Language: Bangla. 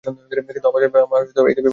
কিন্তু হামাস এই দাবি প্রত্যাখ্যান করে।